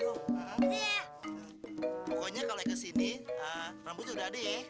pokoknya kalau kesini rambutnya udah deh